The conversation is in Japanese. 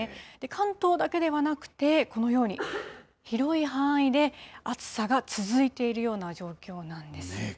関東だけではなくて、このように、広い範囲で暑さが続いているような状況なんです。